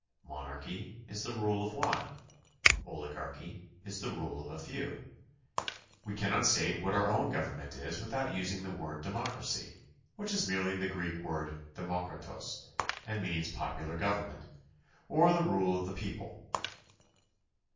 Monarchy is the rule of one; oligarchy is the rule of a few. We cannot state what our own government is without using the word "democracy," which is merely the Greek word ArjuoKparia^ and means popular government, or the rule of the people.